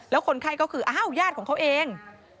แล้วคนไข้ก็คืออ้าวญาติของเขาเอง